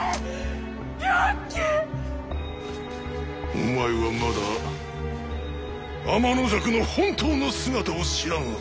お前はまだ天の邪鬼の本当の姿を知らぬのだ！